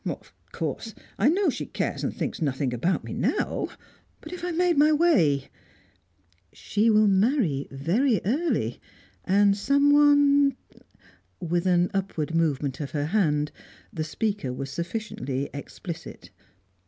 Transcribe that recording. "Of course I know she cares and thinks nothing about me now. But if I made my way " "She will marry very early, and someone " With an upward movement of her hand the speaker, was sufficiently explicit.